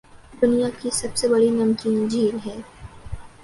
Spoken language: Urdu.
دنیاکی سب سے بڑی نمکین جھیل ہے